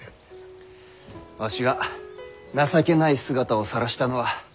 わしが情けない姿をさらしたのは紛れもないこと。